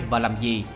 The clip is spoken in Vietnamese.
và làm gì